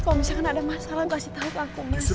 kalau misalkan ada masalah kasih tau ke aku mas